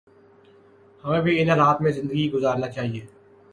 ہمیں بھی ان حالات میں زندگی گزارنا چاہیے